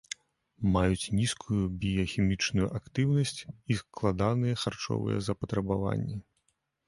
Маюць нізкую біяхімічную актыўнасць і складаныя харчовыя запатрабаванні.